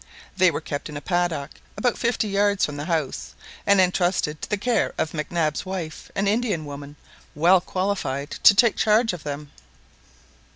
They were kept in a paddock about fifty yards from the house, and entrusted to the care of Mac Nabs wife, an Indian woman, well qualified to take charge of them.